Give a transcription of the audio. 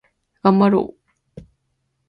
がんばろう